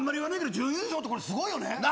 準優勝ってすごいよな。